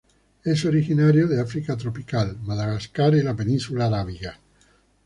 Es originario de África tropical, Madagascar y la península arábiga.